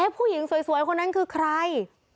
ผู้หญิงสวยคนนั้นคือใคร